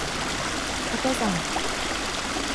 掛け算